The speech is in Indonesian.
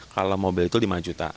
kalau mobil itu lima juta